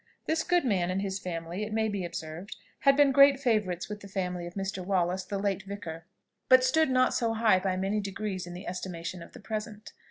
This good man and his family, it may be observed, had been great favourites with the family of Mr. Wallace, the late vicar, but stood not so high by many degrees in the estimation of the present.